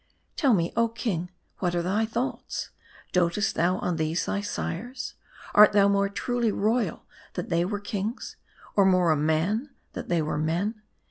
Tell me, oh king, what are thy thoughts ? Dotest thou on these thy sires? Art thou more truly royal, that they were kings ? Or more a man, that they were men